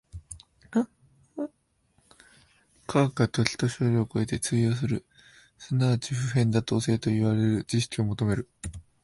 科学は時と処を超えて通用する即ち普遍妥当的といわれる知識を求める。